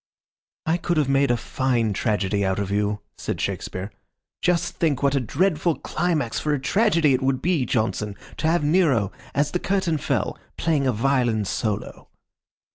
"I could have made a fine tragedy out of you," said Shakespeare. "Just think what a dreadful climax for a tragedy it would be, Johnson, to have Nero, as the curtain fell, playing a violin solo."